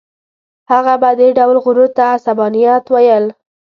هغه به دې ډول غرور ته عصبانیت ویل.